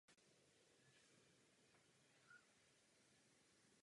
Kolegové, prosím vás, abyste dodržovali časový limit.